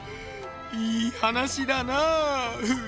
いい話だなあうぅ。